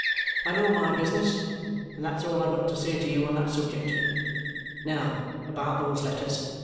I know my business, and that's all I've got to say to you on that subject. Now about those letters.